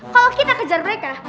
kalau kita kejar mereka